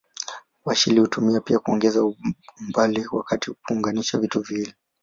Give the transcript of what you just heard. Washeli hutumiwa pia kuongeza umbali wakati wa kuunganisha vitu viwili.